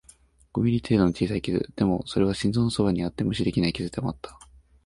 五ミリ程度の小さい傷、でも、それは心臓のそばにあって無視できない傷でもあった